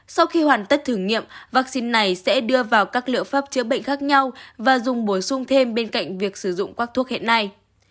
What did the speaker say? sau khi hoàn tất thử nghiệm vaccine này sẽ đưa vào các liệu pháp chữa bệnh khác nhau và dùng bổ sung thêm bên cạnh việc sử dụng các thuốc hiện nay